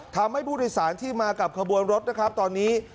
ทำให้ผู้โดยสารที่มากับขบวนรถนะครับตอนนี้